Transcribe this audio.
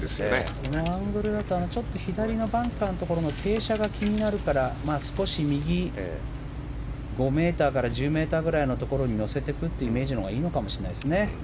このラウンドだと左のバンカーの傾斜が気になるから、少し右５ｍから１０ｍぐらいのところに乗せていくというイメージのほうがいいのかもしれないですね。